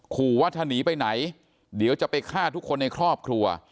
ขอว่าถ้าหนีไปไหนเดี๋ยวจะไปฆ่าทุกคนในครอบครัว